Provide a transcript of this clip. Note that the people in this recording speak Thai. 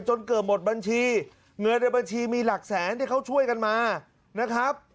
จนเกือบหมดบัญชีเงินในบัญชีมีหลักแสนที่เขาช่วยกันมานะครับ